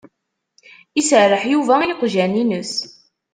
Iserreḥ Yuba i yiqjan-ines.